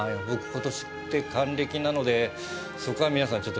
僕、ことしで還暦なのでそこは皆さん